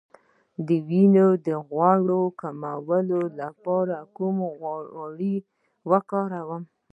د وینې غوړ کمولو لپاره کوم غوړي وکاروم؟